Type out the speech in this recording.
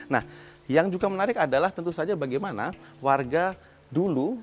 nah yang juga menarik adalah tentu saja bagaimana warga dulu